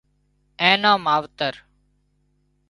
اين نان ماوتر